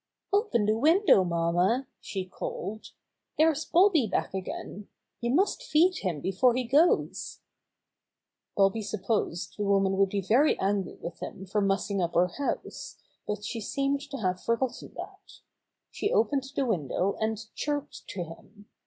"Open the window, mamma," she called. "There's Bobby back again. You must feed him before he goes." Bobby supposed the woman would be very angry with him for mussing up her house, but she seemed to have forgotten that. She opened the window and chirped to him.